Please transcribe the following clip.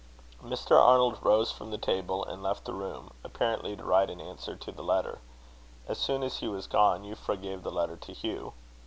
Mr. Arnold rose from the table and left the room, apparently to write an answer to the letter. As soon as he was gone, Euphra gave the letter to Hugh.